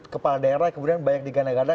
kepala daerah yang kemudian banyak digana gana